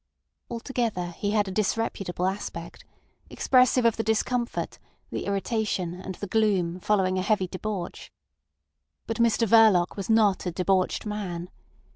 Altogether he had a disreputable aspect, expressive of the discomfort, the irritation and the gloom following a heavy debauch. But Mr Verloc was not a debauched man.